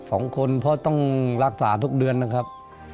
รักษาลูก๒คนเพราะต้องรักษาทุกเดือนนะครับ